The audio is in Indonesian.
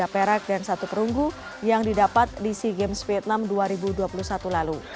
tiga perak dan satu perunggu yang didapat di sea games vietnam dua ribu dua puluh satu lalu